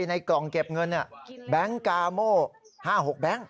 ในกล่องเก็บเงินแบงค์กาโม่๕๖แบงค์